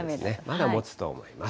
まだもつと思います。